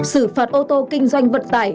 sử phạt ô tô kinh doanh vận tải